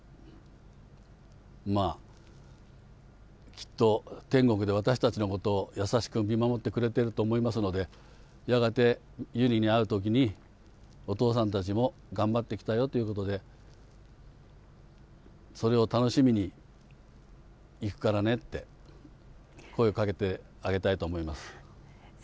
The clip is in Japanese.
きっと、天国で私たちのことを優しく見守ってくれていると思いますので、やがて友梨に会うときに、お父さんたちも頑張ってきたよということで、それを楽しみにいくからねって、声をかけてあげたいと思います。